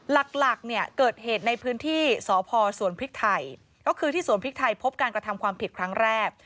หลักเนี่ยเกิดเหตุในพื้นที่สพสวนพริกไทยก็คือที่สวนพริกไทยพบการกระทำความผิดครั้งแรก